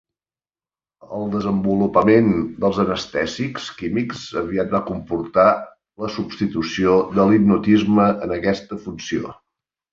El desenvolupament dels anestèsics químics aviat va comportar la substitució de l'hipnotisme en aquesta funció.